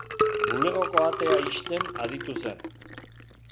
Bulegoko atea ixten aditu zen.